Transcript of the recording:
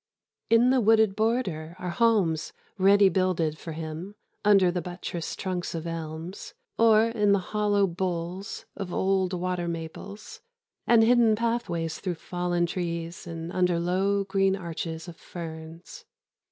In the wooded border are homes ready builded for him under the buttressed trunks of elms, or in the hollow boles of old water maples, and hidden pathways through fallen trees and under low green arches of ferns.